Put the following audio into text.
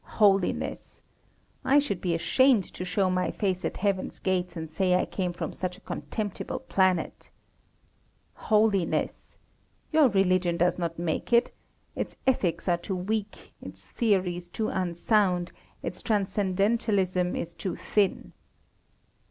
Holiness! I should be ashamed to show my face at Heaven's gates and say I came from such a contemptible planet. Holiness! Your religion does not make it its ethics are too weak, its theories too unsound, its transcendentalism is too thin.